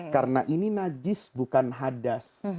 karena ini najis bukan hadas